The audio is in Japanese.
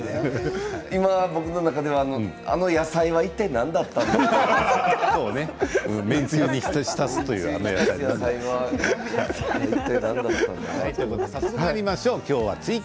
今、僕の中ではあの野菜はいったい何だったんだろう？って。